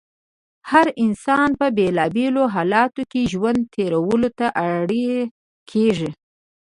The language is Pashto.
هر انسان په بېلا بېلو حالاتو کې ژوند تېرولو ته اړ کېږي.